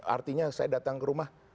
artinya saya datang ke rumah